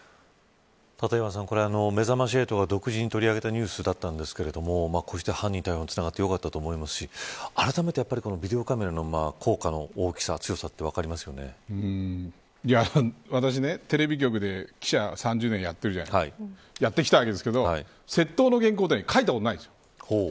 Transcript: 立岩さん、これめざまし８が独自に取り上げたニュースだったんですけれどもこうして犯人逮捕につながったのよかったと思いますしあらためてビデオカメラの効果の大きさ私、テレビ局で記者を３０年やってきたわけですけど窃盗の原稿って書いたことないです。